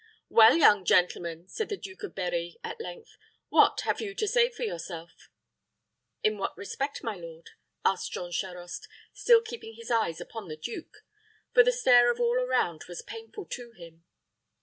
"Well, young gentleman," said the Duke of Berri, at length, "what have you to say for yourself?" "In what respect, my lord?" asked Jean Charost, still keeping his eyes upon the duke; for the stare of all around was painful to him.